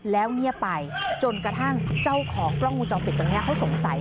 แล้วเงียบไปจนกระทั่งเจ้าของกล้องวงจรปิดตรงนี้เขาสงสัย